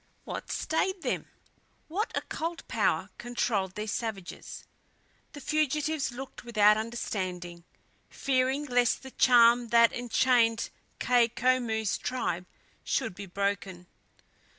What stayed them? What occult power controlled these savages? The fugitives looked without understanding, fearing lest the charm that enchained Kai Koumou's tribe should be broken.